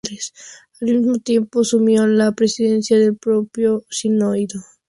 Al mismo tiempo asumió la presidencia del propio sínodo.